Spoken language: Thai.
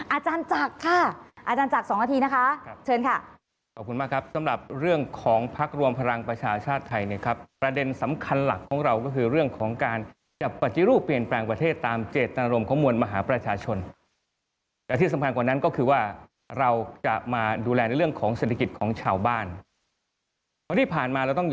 อาจารย์จักรสองนาทีนะคะเชิญค่ะขอบคุณมากครับสำหรับเรื่องของพักรวมพลังประชาชนชาติไทยเนี่ยครับประเด็นสำคัญหลักของเราก็คือเรื่องของการจะปฏิรูปเปลี่ยนแปลงประเทศตามเจตนรมของมวลมหาประชาชนแต่ที่สำคัญกว่านั้นก็คือว่าเราจะมาดูแลในเรื่องของเศรษฐกิจของชาวบ้านพอที่ผ่านมาเราต้